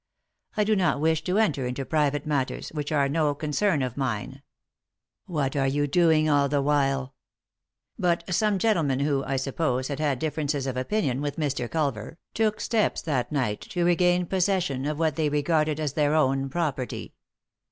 I do not wish to enter into private matters, which are no concern of mine "" What are you doing all the while ?"" But some gentlemen who, I suppose, had had differences of opinion with Mr. Culver, took steps that night to regain possession of what they regarded as their own property."